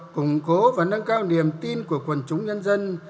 củng cố và nâng cao niềm tin của quần chúng nhân dân